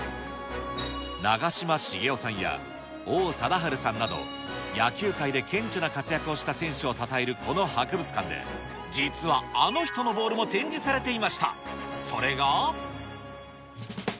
長嶋茂雄さんや王貞治さんなど、野球界で顕著な活躍をした選手をたたえるこの博物館で、実はあの人のボールも展示されていました。